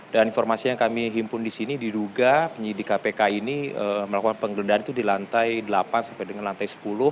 dan informasi yang kami himpun di sini diduga penyelidik kpk ini melakukan penggeledahan itu di lantai delapan sampai dengan lantai sepuluh